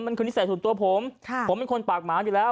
มันคือนิสัยส่วนตัวผมผมเป็นคนปากหมาอยู่แล้ว